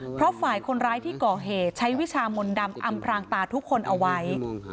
เพราะฝ่ายคนร้ายที่ก่อเหตุใช้วิชามนต์ดำอำพรางตาทุกคนเอาไว้